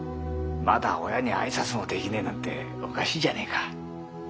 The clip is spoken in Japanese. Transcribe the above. まだ親に挨拶もできねえなんておかしいじゃねえか。